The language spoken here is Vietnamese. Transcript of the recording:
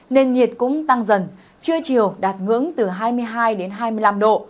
nền nhiệt cũng tăng dần trưa chiều đạt ngưỡng từ hai mươi hai đến hai mươi năm độ